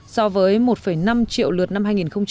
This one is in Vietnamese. so với một năm triệu lượt năm hai nghìn một mươi tám